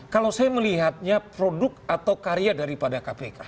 kalau saya melihatnya produk atau karya daripada kpk